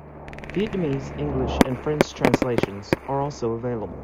Vietnamese, English, and French translations are also available.